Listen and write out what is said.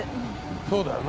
そうだよな。